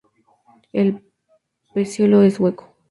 El pecíolo es hueco.